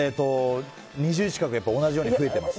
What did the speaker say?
２０近く同じように増えてます。